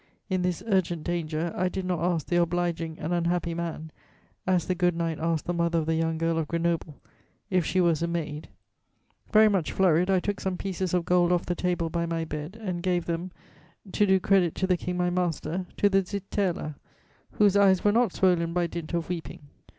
In this urgent danger, I did not ask the obliging and unhappy man, as the good knight asked the mother of the young girl of Grenoble, if she was a maid; very much flurried, I took some pieces of gold off the table by my bed and gave them, to do credit to the King my master, to the zitella, 'whose eyes were not swollen by dint of weeping.'